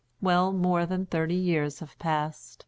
Well, more than thirty years have passed...